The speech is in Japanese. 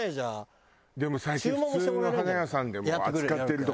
でも最近普通の花屋さんでも扱ってるとこ多い。